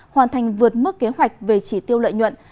hoàn thành vượt mức kế hoạch về chỉ tiêu lợi nhuận